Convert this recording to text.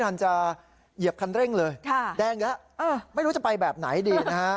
ทันจะเหยียบคันเร่งเลยแดงแล้วไม่รู้จะไปแบบไหนดีนะฮะ